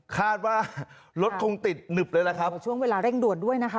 คาดว่ารถคงติดหนึบเลยนะครับช่วงเวลาเร่งด่วนด้วยนะคะ